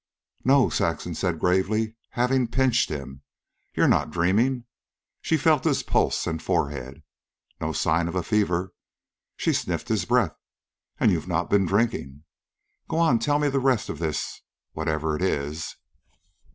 "No," Saxon said gravely, having pinched him, "you're not dreaming." She felt his pulse and forehead. "Not a sign of fever." She sniffed his breath. "And you've not been drinking. Go on, tell me the rest of this... whatever it is."